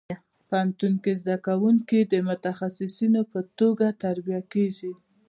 پوهنتون کې زده کوونکي د متخصصینو په توګه تربیه کېږي.